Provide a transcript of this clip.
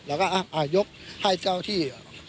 เราก็ให้เจ้าที่